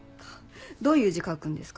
どういう字書くんですか？